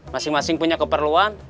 masing masing punya keperluan